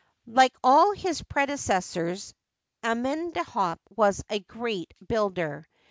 Like all his predecessors, Amenhdtep was a great builder.